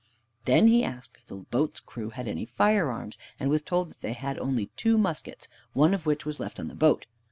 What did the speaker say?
Then he asked if the boat's crew had any firearms, and was told that they had only two muskets, one of which was left in the boat.